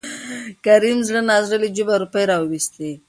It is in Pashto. کريم زړه نازړه له جوبه روپۍ راوېستې.